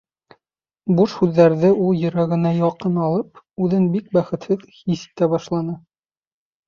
Буш һүҙҙәрҙе ул йөрәгенә яҡын алып үҙен бик бәхетһеҙ хис итә башланы.